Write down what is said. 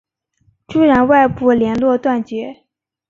朱然外部连络断绝。